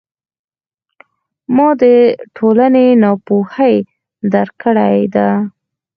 ما د ټولنې ناپوهي درک کړې ده.